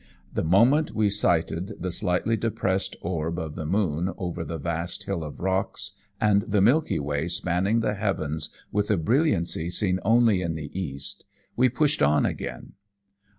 The moment we sighted the slightly depressed orb of the moon over the vast hill of rocks, and the Milky Way spanning the heavens with a brilliancy seen only in the East, we pushed on again.